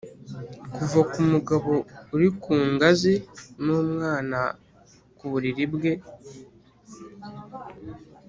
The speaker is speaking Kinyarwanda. kuva kumugabo uri ku ngazi n'umwana ku buriri bwe.